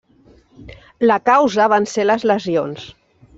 La causa van ser les lesions.